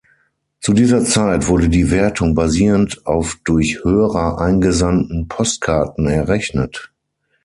Zu dieser Zeit wurde die Wertung basierend auf durch Hörer eingesandten Postkarten errechnet.